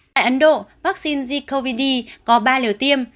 tại ấn độ vaccine z cov d có ba liều tiêm